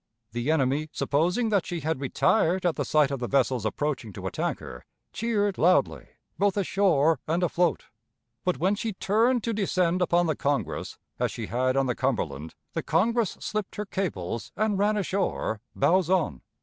The enemy, supposing that she had retired at the sight of the vessels approaching to attack her, cheered loudly, both ashore and afloat. But, when she turned to descend upon the Congress, as she had on the Cumberland, the Congress slipped her cables and ran ashore, bows on.